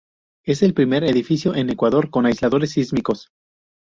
Es el primer edificio en Ecuador con aisladores sísmicos.